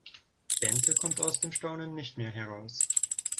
Bente kommt aus dem Staunen nicht mehr heraus.